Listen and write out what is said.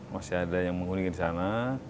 masih ada yang mengunjungi di sana